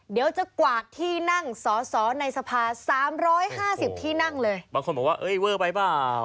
เดี๋ยวจะกวาดที่นั่งสอสอในสภาสามร้อยห้าสิบที่นั่งเลยบางคนบอกว่าเอ้ยเวอร์ไปเปล่า